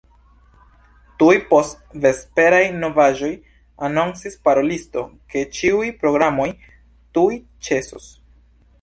Tuj post la vesperaj novaĵoj anoncis parolisto, ke ĉiuj programoj tuj ĉesos.